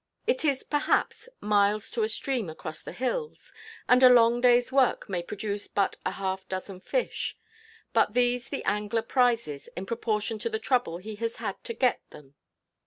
It is, perhaps, miles to a stream across the hills, and a long day's work may produce but a half dozen fish; but these the angler prizes in proportion to the trouble he has had to get them.